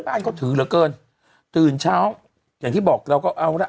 บ้านเขาถือเหลือเกินตื่นเช้าอย่างที่บอกเราก็เอาละ